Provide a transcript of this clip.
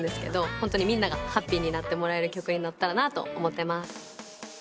ホントにみんながハッピーになってもらえる曲になったらと思ってます。